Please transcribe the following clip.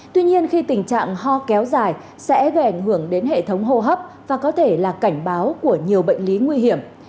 tuy nhiên khi tình trạng ho kéo dài sẽ gây ảnh hưởng đến hệ thống hô hấp và có thể là cảnh báo của nhiều bệnh lý nguy hiểm